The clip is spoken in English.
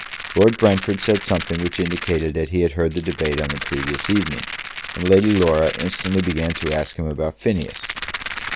Lord Brentford said something which indicated that he had heard the debate on the previous evening, and Lady Laura instantly began to ask him about Phineas.